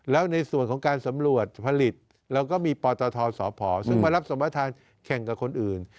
แล้วในส่วนของการสำรวจผลิตเราก็มีปตทสพซึ่งมารับสัมประธานแข่งกับคนอื่น